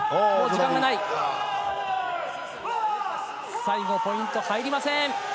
最後ポイント入りません。